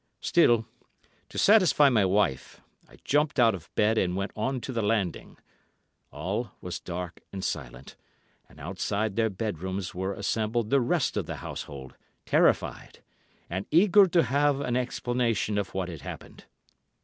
"Still, to satisfy my wife, I jumped out of bed and went on to the landing; all was dark and silent, and outside their bedrooms were assembled the rest of the household, terrified, and eager to have an explanation of what had happened.